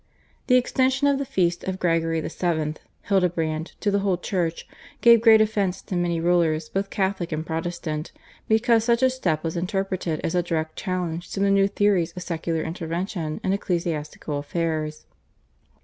The extension of the feast of Gregory VII. (Hildebrand) to the whole Church gave great offence to many rulers both Catholic and Protestant, because such a step was interpreted as a direct challenge to the new theories of secular intervention in ecclesiastical affairs.